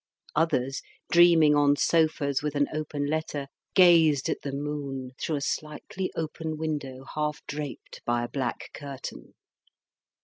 Others, dreaming on sofas with an open letter, gazed at the moon through a slightly open window half draped by a black curtain.